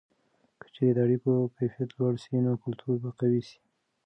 که چیرې د اړیکو کیفیت لوړه سي، نو کلتور به قوي سي.